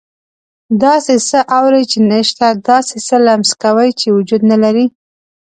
داسې څه اوري چې نه شته، داسې څه لمس کوي چې وجود نه لري.